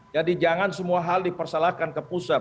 jadi jangan semua hal dipersalahkan ke pusat